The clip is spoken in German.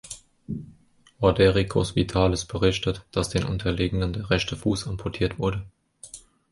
Ordericus Vitalis berichtet, dass den Unterlegenen der rechte Fuß amputiert wurde.